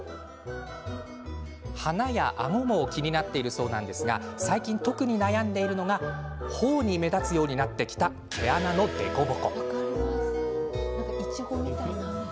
鼻や、あごも気になっているそうなんですが最近、特に悩んでいるのがほおに目立つようになってきた毛穴の凸凹。